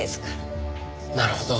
なるほど。